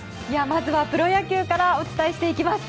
まずはプロ野球からお伝えしていきます。